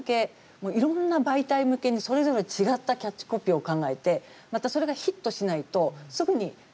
いろんな媒体向けにそれぞれ違ったキャッチコピーを考えてまたそれがヒットしないとすぐに変えていく。